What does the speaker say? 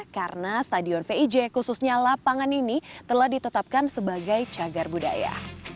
karena stadion vij khususnya lapangan ini telah ditetapkan sebagai cagar budaya